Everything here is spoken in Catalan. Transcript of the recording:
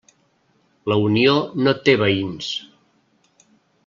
La Unió no té veïns.